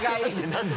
何で？